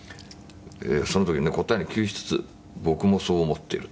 「その時はね答えに窮しつつ“僕もそう思っている”と」